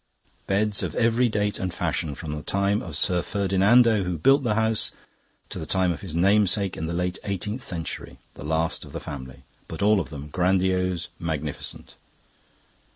Beds of every date and fashion from the time of Sir Ferdinando, who built the house, to the time of his namesake in the late eighteenth century, the last of the family, but all of them grandiose, magnificent.